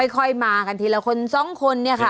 ค่อยมากันทีละคนสองคนเนี่ยค่ะ